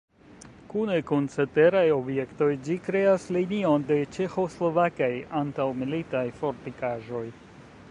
Kune kun ceteraj objektoj ĝi kreas linion de ĉeĥoslovakaj antaŭmilitaj fortikaĵoj.